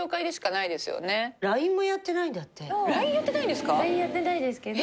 ＬＩＮＥやってないですけど。